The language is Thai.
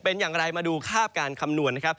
เป็นอย่างไรมาดูคาบการคำนวณ